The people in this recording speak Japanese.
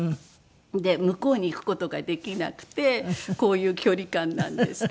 で向こうに行く事ができなくてこういう距離感なんですけど。